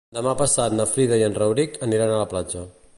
Demà passat na Frida i en Rauric aniran a la platja.